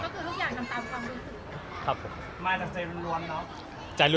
มายน่าจะรวนเนาะ